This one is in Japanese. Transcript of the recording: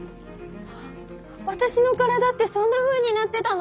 わたしの体ってそんなふうになってたの！？